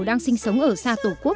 đang sinh sống ở xa tổ quốc